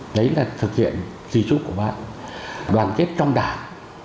đấy là thực hiện di trúc của bác đoàn kết trong đảng